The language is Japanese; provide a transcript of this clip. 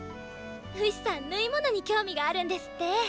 フシさん縫い物に興味があるんですって。